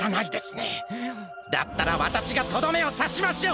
だったらわたしがとどめをさしましょう！